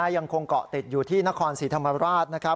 ยังคงเกาะติดอยู่ที่นครศรีธรรมราชนะครับ